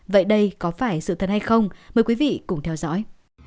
vậy đây có phải sự thật hay không mời quý vị cùng theo dõi